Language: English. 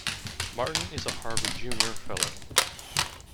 Martin is a Harvard junior fellow.